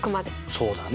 そうだね。